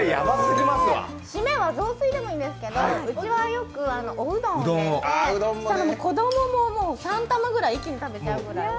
締めは雑炊でもいいんですけど、うちはよくおうどんを入れて、子供も３玉ぐらい一気に食べちゃうぐらい。